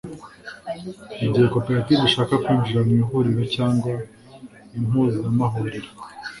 igihe koperative ishaka kwinjira mu ihuriro cyangwa impuzamahuriro